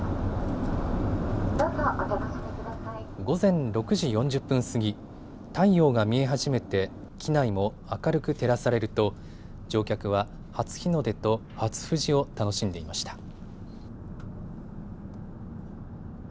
午前６時４０分過ぎ、太陽が見え始めて機内も明るく照らされると乗客は初日の出と初富士を楽しんでいました。